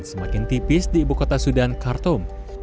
semakin tipis di ibu kota sudan khartoum